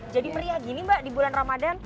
jadi periak gini mbak di bulan ramadhan